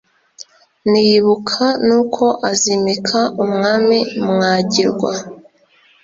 Nibuka n'uko azimika Umwami Mwagirwa